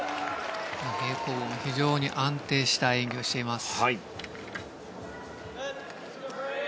平行棒も非常に安定した演技をしています。